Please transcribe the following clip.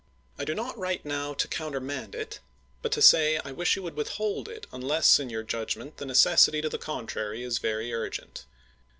I do not write now to countermand it, but to say I wish you would withhold it, unless in your judgment the necessity to the contrary is very urgent.